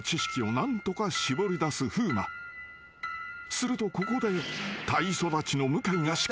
［するとここで］